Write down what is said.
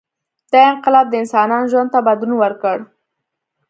• دا انقلاب د انسانانو ژوند ته بدلون ورکړ.